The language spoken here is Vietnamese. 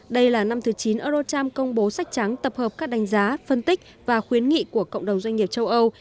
đây là năm thứ chín eurocharm công bố sách trắng tập hợp các đánh giá phân tích và khuyến nghị của cộng đồng doanh nghiệp châu âu